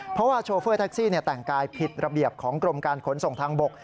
เพราะว่าโชเฟอร์แท็กซี่แต่งกายผิดระเบียบของกรมการขนส่งทางบก